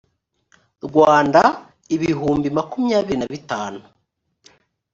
rwanda ibihumbi makumyabiri na bitanu